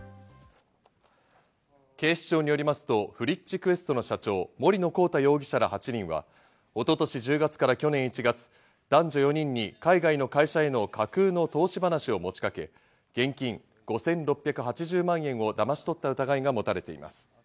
警視庁によりますと、ＦＲｉｃｈＱｕｅｓｔの社長・森野広太容疑者ら８人は一昨年１０月から去年１月、男女４人に海外の会社への架空の投資話を持ちかけ、現金５６８０万円をだまし取った疑いが持たれています。